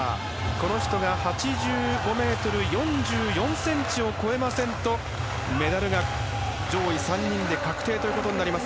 この人が８５ｍ４４ｃｍを超えませんとメダルが上位３人で確定となります。